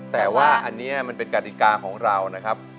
แต่ว่าอันนี้มันเป็นกติกาของเรานะครับ